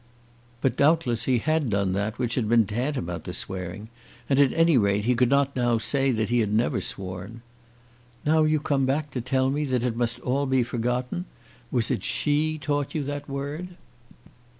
But doubtless he had done that which had been tantamount to swearing; and, at any rate, he could not now say that he had never sworn. "Now you come to tell me that it must all be forgotten! Was it she taught you that word?"